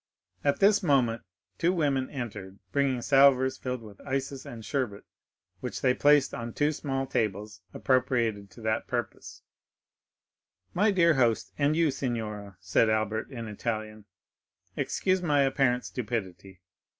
At this moment two women entered, bringing salvers filled with ices and sherbet, which they placed on two small tables appropriated to that purpose. "My dear host, and you, signora," said Albert, in Italian, "excuse my apparent stupidity.